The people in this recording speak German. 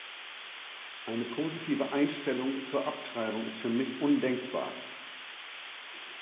Eine positive Einstellung zur Abtreibung ist für mich undenkbar.